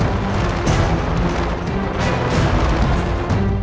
ayo kita pergi ke tempat yang lebih baik